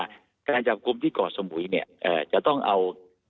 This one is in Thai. ชาวกรุงของผู้จับกลุ่มที่ก่อนสมบุรีเนี่ยเอ่อเดี่ยวต้องเอา